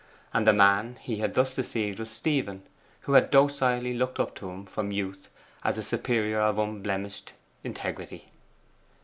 And the man he had thus deceived was Stephen, who had docilely looked up to him from youth as a superior of unblemished integrity.